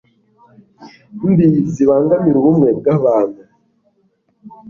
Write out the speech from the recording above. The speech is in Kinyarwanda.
mbi zibangamira ubumwe bw'abantu